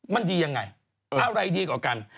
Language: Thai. มันดียังไงอะไรดีกว่ากัน